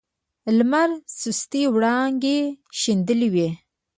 لمر سستې وړانګې شیندلې وې.